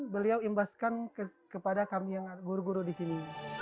beliau imbaskan kepada kami yang guru guru di sini